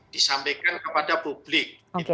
disampaikan kepada publik